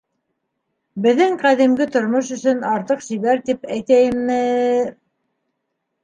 Беҙҙең ҡәҙимге тормош өсөн артыҡ сибәр тип әйтәйемме...